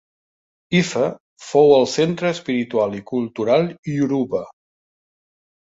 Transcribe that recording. Ife fou el centre espiritual i cultural ioruba.